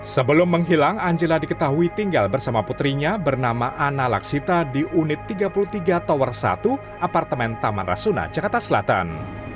sebelum menghilang angela diketahui tinggal bersama putrinya bernama ana laksita di unit tiga puluh tiga tower satu apartemen taman rasuna jakarta selatan